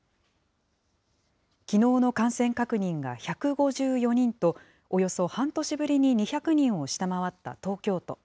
きのうの感染確認が１５４人と、およそ半年ぶりに２００人を下回った東京都。